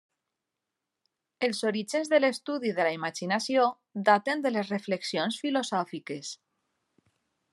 Els orígens de l'estudi de la imaginació daten de les reflexions filosòfiques.